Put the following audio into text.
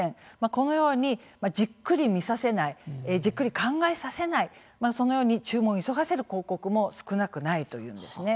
このようにじっくり見させないじっくり考えさせないそのように注文を急がせる広告も少なくないというんですね。